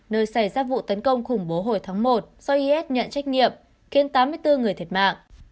nơi xảy ra vụ tấn công khủng bố hồi tháng một do is nhận trách nhiệm khiến tám mươi bốn người thiệt mạng